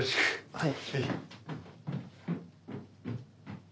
はい。